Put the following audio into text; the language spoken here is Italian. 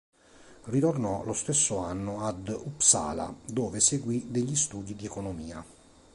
Ritornò lo stesso anno ad Uppsala dove seguì degli studi di economia.